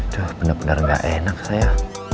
duh bener bener gak enak saya